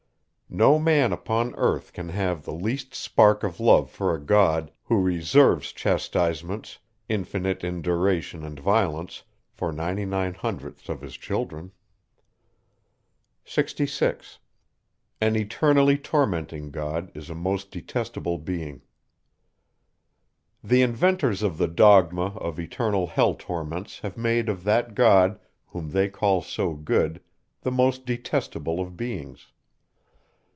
No man upon earth can have the least spark of love for a God, who reserves chastisements, infinite in duration and violence, for ninety nine hundredths of his children. 66. The inventors of the dogma of eternal hell torments have made of that God, whom they call so good, the most detestable of beings.